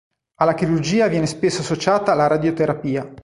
Alla chirurgia viene spesso associata la radioterapia.